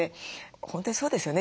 本当にそうですよね